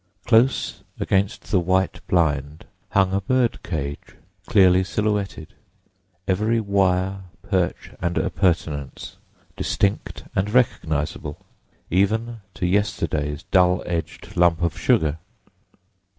Close against the white blind hung a bird cage, clearly silhouetted, every wire, perch, and appurtenance distinct and recognisable, even to yesterday's dull edged lump of sugar.